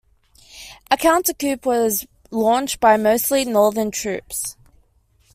A counter-coup was launched by mostly northern troops.